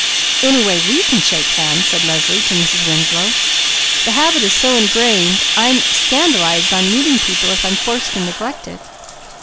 "Anyway, we can shake hands," said Leslie to Mrs. Winslow. "The habit is so ingrained I am scandalized on meeting people if I'm forced to neglect it."